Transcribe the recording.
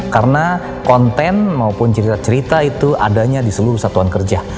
karena konten maupun cerita cerita itu adanya di seluruh satuan kerja